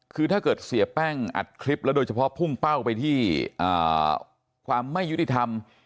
คือถ้าเกิดเสียแป้งอัดคลิปแล้วโดยเฉพาะพุ่งเป้าไปที่ความไม่ยุติธรรม